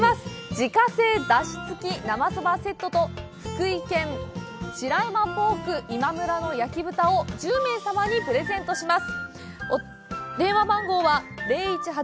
自家製だし付き生蕎麦セット６食入りと福井県産白山ポークいまむらの焼豚を１０名様にプレゼントいたします。